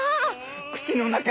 口の中